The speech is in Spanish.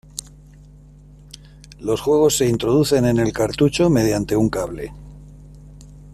Los juegos se introducen en el cartucho mediante un cable.